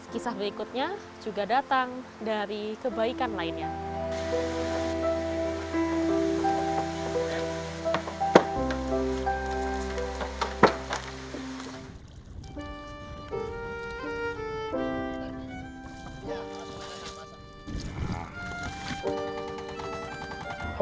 kisah berikutnya juga datang dari kebaikan lainnya